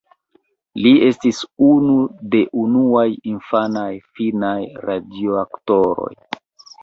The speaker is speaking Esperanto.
Li estis unu de unuaj infanaj finnaj radioaktoroj.